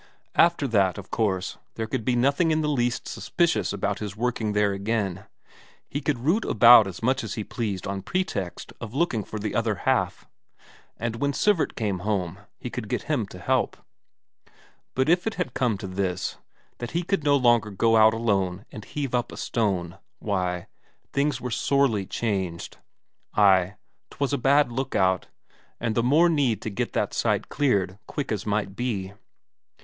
After that, of course, there could be nothing in the least suspicious about his working there again; he could root about as much as he pleased on pretext of looking for the other half. And when Sivert came home, he could get him to help. But if it had come to this, that he could no longer go out alone and heave up a stone, why, things were sorely changed; ay, 'twas a bad look out, and the more need to get that site cleared quick as might be.